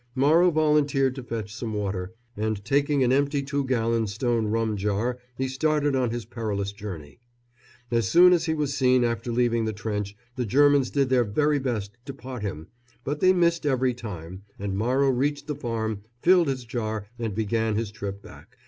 Morrow volunteered to fetch some water, and taking an empty two gallon stone rum jar he started on his perilous journey. As soon as he was seen after leaving the trench the Germans did their very best to pot him; but they missed every time, and Morrow reached the farm, filled his jar and began his trip back.